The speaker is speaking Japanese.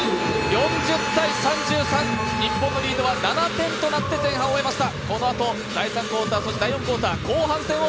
４０−３３、日本のリードは７点となって前半終えました。